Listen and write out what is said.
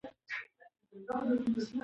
ماشوم ته باید په کور کې ډېره پاملرنه وشي.